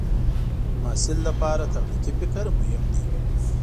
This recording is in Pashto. د محصل لپاره تخلیقي فکر مهم دی.